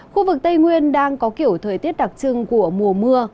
khu vực tây nguyên đang có kiểu thời tiết đặc trưng của mùa mưa